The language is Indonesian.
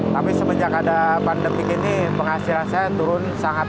tapi semenjak ada pandemi ini penghasilan saya turun sangat